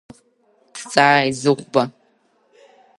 Дҵааит Зыхәба.